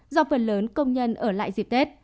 do phần lớn công nhân ở lại dịp tết